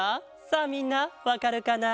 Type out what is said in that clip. さあみんなわかるかな？